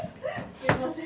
すいません。